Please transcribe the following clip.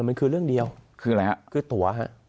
มันคือเรื่องเดียวคือตั๋ว